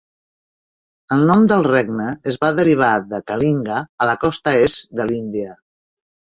El nom del regne es va derivar de Kalinga, a la costa est de l'Índia.